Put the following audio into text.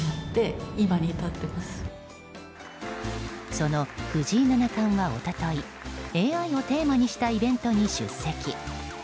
その藤井七冠は一昨日ＡＩをテーマにしたイベントに出席。